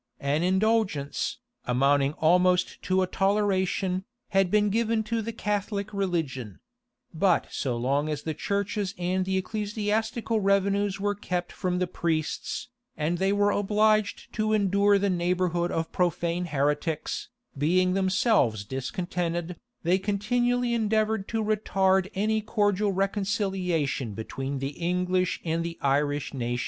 An indulgence, amounting almost to a toleration, had been given to the Catholic religion: but so long as the churches and the ecclesiastical revenues were kept from the priests, and they were obliged to endure the neighborhood of profane heretics, being themselves discontented, they continually endeavored to retard any cordial reconciliation between the English and the Irish nations.